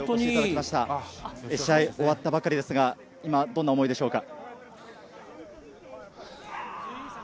試合終わったばかりですが、今、どんな思いでしょうか。